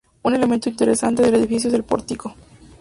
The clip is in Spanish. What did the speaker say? Un elemento interesante del edificio es el pórtico.